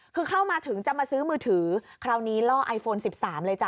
คือเข้ามาถึงจะมาซื้อมือถือคราวนี้ล่อไอโฟน๑๓เลยจ้